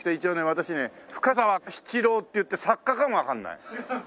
私ね深沢七郎っていって作家かもわかんない。